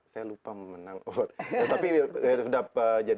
saya lupa menang award